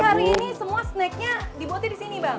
berarti hari ini semua snack nya dibuatnya di sini bang